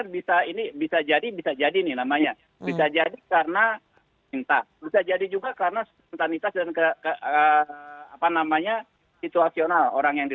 bisa jadi karena entah bisa jadi juga karena spontanitas dan situasional orang yang di